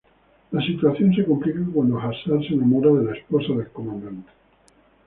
La situación se complica cuando Hazzard se enamora de la esposa del comandante.